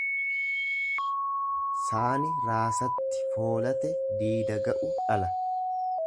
Saani raasatti foolate diida ga'u dhala.